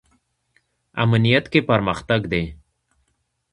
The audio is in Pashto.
امنیت کې پرمختګ دی